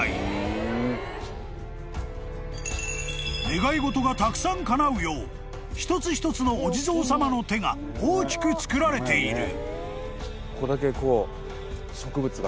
［願い事がたくさんかなうよう一つ一つのお地蔵さまの手が大きく作られている］